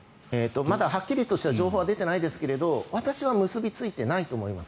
まだはっきりとした情報は出ていないですが私は結びついてはいないと思います。